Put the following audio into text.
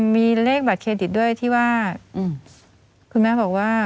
มีเลขบัตรเครดิตด้วยที่ว่าคุณแม่บอกว่า